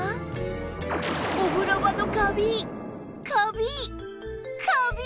お風呂場のカビカビカビ！